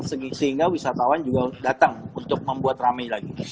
sehingga wisatawan juga datang untuk membuat rame lagi